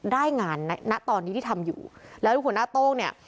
ได้งานณตอนนี้ที่ทำอยู่แล้วหัวหน้าโต้งเนี่ย